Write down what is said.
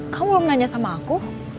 kamu mau nanya sama aku